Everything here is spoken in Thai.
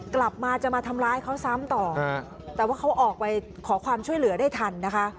กลับมาจะมาทำร้ายเขาซ้ำต่อแต่ว่าเขาออกไปขอความช่วยเหลือได้ทันนะคะ